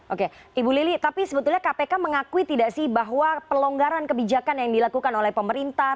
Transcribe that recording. oke ibu lili tapi sebetulnya kpk mengakui tidak sih bahwa pelonggaran kebijakan yang dilakukan oleh pemerintah